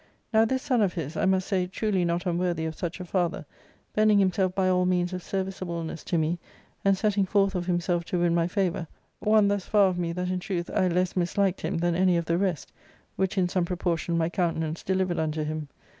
Now this son of his, I must say truly not unworthy of such a father, bending himself by all means of serviceableness to me, and setting forth of himself to win my / favour, wan thus far of me that in truth I less misliked him than any of the rest, which in some proportion my counten ance delivered unto him.